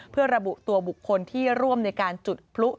เพื่อระบุตัวบุคคลที่ร่วมในการจุดพลุ